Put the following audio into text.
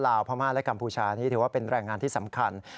พม่าและกัมพูชานี้ถือว่าเป็นแรงงานที่สำคัญ